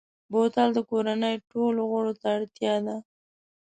بوتل د کورنۍ ټولو غړو ته اړتیا ده.